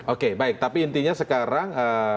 oke baik tapi intinya sekarang